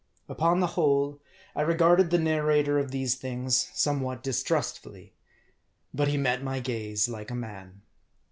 Upon the whole, I regarded the narrator of these things somewhat distrustfully. But he met my gaze like a man.